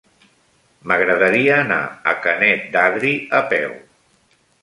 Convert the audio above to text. M'agradaria anar a Canet d'Adri a peu.